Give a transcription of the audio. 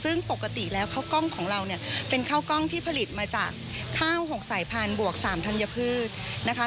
ซึ่งปกติแล้วข้าวกล้องของเราเนี่ยเป็นข้าวกล้องที่ผลิตมาจากข้าว๖สายพันธุ์บวก๓ธัญพืชนะคะ